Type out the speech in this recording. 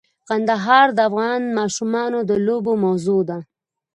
کندهار د افغان ماشومانو د لوبو موضوع ده.